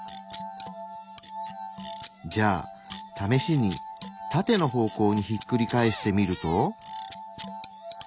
じゃあ試しにタテの方向にひっくり返してみると。